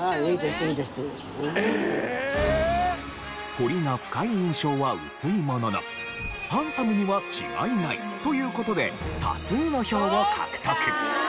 彫りが深い印象は薄いもののハンサムには違いないという事で多数の票を獲得。